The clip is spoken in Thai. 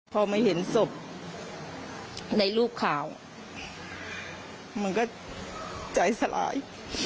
พอมาเห็นศพในรูปข่าวมันก็ใจสลาย